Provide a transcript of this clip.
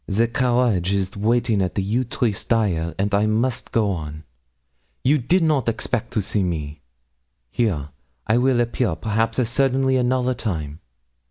'The carriage is waiting at the yew tree stile, and I must go on. You did not expect to see me here; I will appear, perhaps, as suddenly another time.